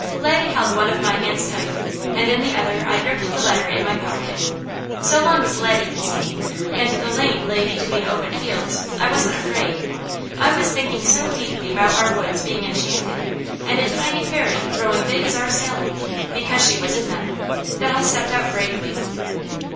Laddie held one of my hands tight, and in the other I gripped the letter in my pocket. So long as Laddie could see me, and the lane lay between open fields, I wasn't afraid. I was thinking so deeply about our woods being Enchanted, and a tiny Fairy growing big as our Sally, because she was in them, that I stepped out bravely.